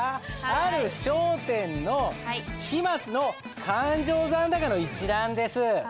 ある商店の期末の勘定残高の一覧です。